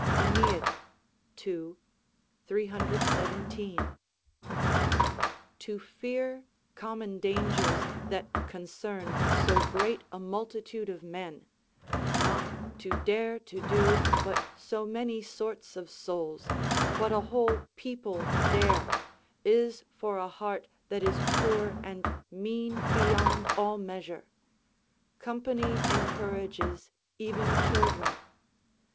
AEneid, ii. 317.] To fear common dangers that concern so great a multitude of men; not to dare to do what so many sorts of souls, what a whole people dare, is for a heart that is poor and mean beyond all measure: company encourages even children.